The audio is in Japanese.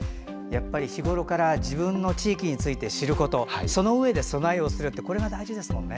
日ごろから自分の地域について知ることそのうえで備えをすることが大事ですもんね。